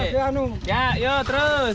ya yuk terus